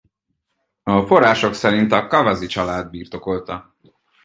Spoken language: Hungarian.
A források szerint a Kawas-i család birtokolta.